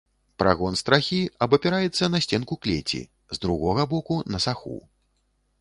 Прагон страхі абапіраецца на сценку клеці, з другога боку на саху.